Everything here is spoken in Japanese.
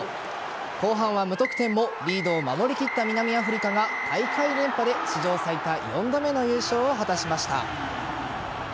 後半は無得点もリードを守りきった南アフリカが大会連覇で史上最多４度目の優勝を果たしました。